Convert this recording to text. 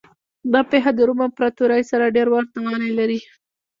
دا پېښه د روم امپراتورۍ سره ډېر ورته والی لري.